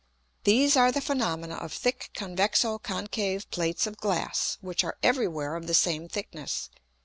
These are the Phænomena of thick convexo concave Plates of Glass, which are every where of the same thickness.